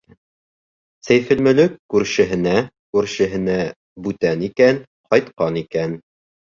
Сәйфелмөлөк — Күршеһенә — Күршеһенә — Бүтән икән — Ҡайтҡан икән...